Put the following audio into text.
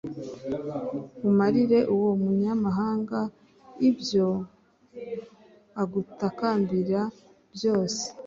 umarire uwo munyamahanga ibyo agutakambira byose